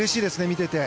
見てて。